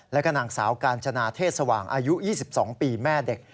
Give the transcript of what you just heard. แล้วก็นางสาวกาญจนาเทศสว่างอายุ๒๒ปีแม่เด็ก